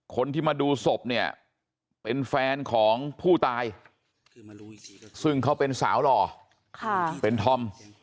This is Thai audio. คนที่มาดูศพเนี่ยเป็นแฟนของผู้ตายซึ่งเขาเป็นสาวหล่อเป็นธอม